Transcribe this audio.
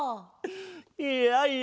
いやいや